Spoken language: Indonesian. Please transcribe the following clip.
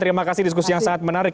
terima kasih diskusi yang sangat menarik